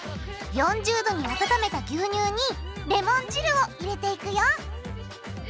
４０℃に温めた牛乳にレモン汁を入れていくよ